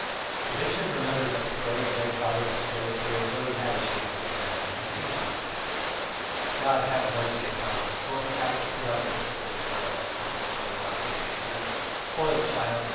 The bishop remembered that the grey headed Father Sisoy's beard really had a shade of green in it, and he laughed. "God have mercy upon us, what we have to put up with with this girl!" said Sisoy, aloud, getting angry. "Spoilt child!